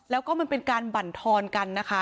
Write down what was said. แล้วก็มันเป็นการบรรทอนกันนะคะ